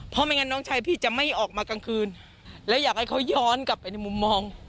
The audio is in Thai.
เพราะไม่งั้นน้องชายพี่จะไม่ออกมากลางคืนและอยากให้เขาย้อนกลับไปในมุมมอง